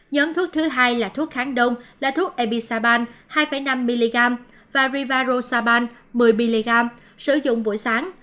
nhóm thuốc thứ hai là thuốc kháng đông là thuốc ebisaban hai năm mg và rivarosaban một mươi mg sử dụng buổi sáng